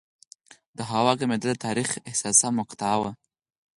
د هوا ګرمېدل د تاریخ حساسه مقطعه وه.